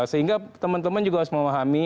sehingga teman teman juga harus memahami